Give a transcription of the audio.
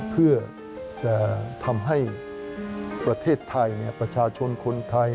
เพื่อจะทำให้ประเทศไทยประชาชนคนไทย